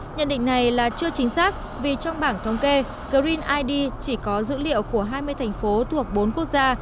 nhận định này là chưa chính xác vì trong bảng thông kê green id chỉ có dữ liệu của hai mươi thành phố thuộc bốn quốc gia